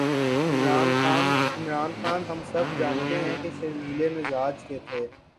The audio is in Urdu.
عمران خان، ہم سب جانتے ہیں کہ شرمیلے مزاج کے تھے۔